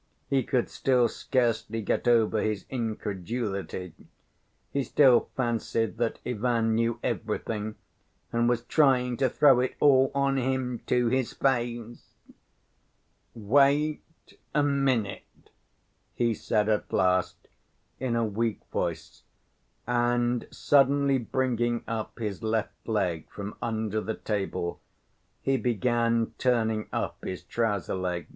He could still scarcely get over his incredulity; he still fancied that Ivan knew everything and was trying to "throw it all on him to his face." "Wait a minute," he said at last in a weak voice, and suddenly bringing up his left leg from under the table, he began turning up his trouser leg.